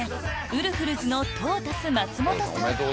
ウルフルズのトータス松本さん